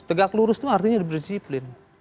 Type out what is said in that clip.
tegak lurus itu artinya berdisiplin